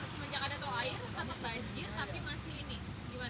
tol air atau banjir tapi masih ini